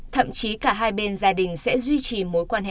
thậm chí cả hai bên gia đình sẽ duy trì mối quan hệ